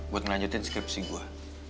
buat ngelanjutin skripsi gua